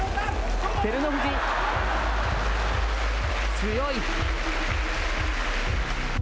照ノ富士強い。